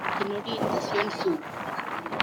Tiene orientación sur.